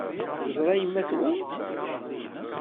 Teẓra yemma-twent?